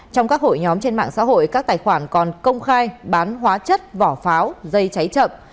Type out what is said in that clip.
trong các hội nhóm trên mạng xã hội các tài khoản còn công khai bán hóa chất vỏ pháo dây cháy chậm